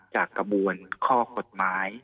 กระบวนข้อกฎหมาย